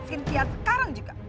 sintia sekarang juga